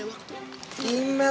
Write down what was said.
gue bilang enggak ya enggak